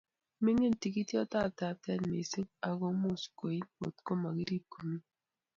Mining tikityot ab taptet mising akomuch koil ngot makirip komye